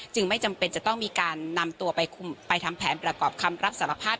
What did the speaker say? ไม่จำเป็นจะต้องมีการนำตัวไปทำแผนประกอบคำรับสารภาพ